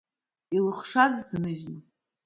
Илыхшаз дныжьны!